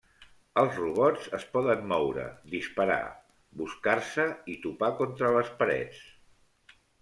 Els robots es poden moure, disparar, buscar-se, i topar contra les parets.